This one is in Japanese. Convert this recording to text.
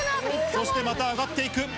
そして、また上がっていく。